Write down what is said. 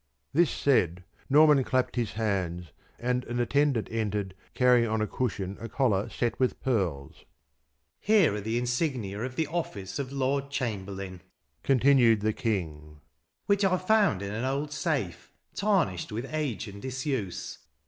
This said, Norman clapped his hands, and an attendant entered carrying on a cushion a collar set with pearls. "Here are the insignia of the office of Lord Chamberlain," continued the King, "which I found in an old safe, tarnished with age and disuse.